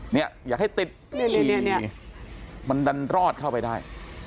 เนี่ยอยากให้ติดมันดันรอดเข้าไปได้